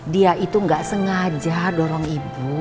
dia itu nggak sengaja dorong ibu